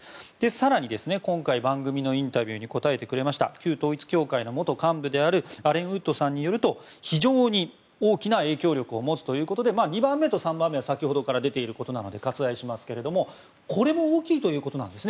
更に、今回番組のインタビューに答えてくれました旧統一教会の元幹部であるアレン・ウッドさんによると非常に大きな影響力を持つということで２番目と３番目は先ほどから出ていることなので割愛しますが、これも大きいということなんです。